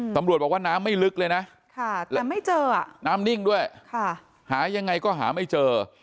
ตำรวจบอกว่าน้ำไม่ลึกเลยนะแต่ไม่เจอน้ำนิ่งด้วยหายังไงก็หาไม่เจอ